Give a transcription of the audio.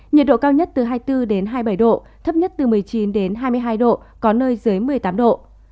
nhiệt độ cao nhất từ hai mươi bốn đến hai mươi bảy độ thấp nhất từ một mươi chín đến hai mươi hai độ có nơi dưới một mươi tám độ